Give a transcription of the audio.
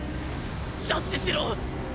ジャッジしろ！